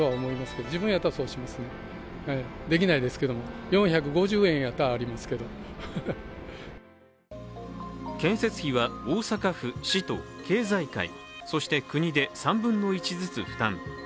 開催地・大阪の反応は建設費は大阪府・市と経済界、そして国で３分の１ずつ負担。